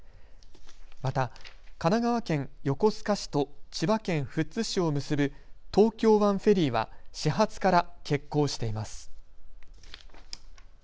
また神奈川県横須賀市と千葉県富津市を結ぶ東京湾フェリーは始発から欠航しています。